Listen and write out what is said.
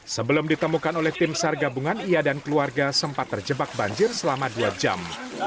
sebelum ditemukan oleh tim sar gabungan ia dan keluarga sempat terjebak banjir selama dua jam